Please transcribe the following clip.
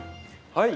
はい。